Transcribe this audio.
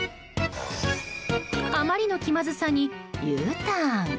あまりの気まずさにＵターン。